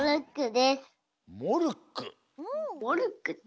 モルック？